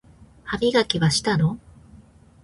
歯磨きはしたの？